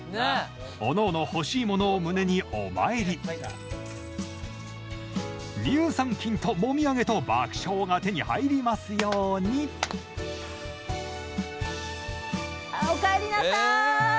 おのおの欲しいものを胸にお参り乳酸菌ともみあげと爆笑が手に入りますようにおかえりなさい！